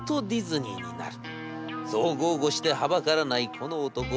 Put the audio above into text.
「そう豪語してはばからないこの男。